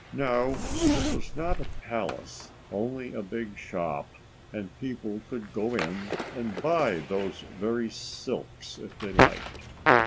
No, it was not a palace, only a big shop and people could go in and buy those very silks if they liked.